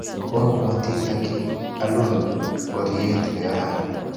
Kwobwoti takialun ngoryet ne kararan